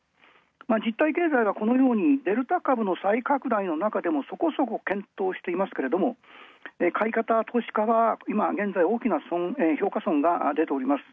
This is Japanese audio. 実体経済は、このようにデルタ株の再拡大のなかでも、そこそこ健闘していて買い方、投資家が現在、大きな評価損が出ている。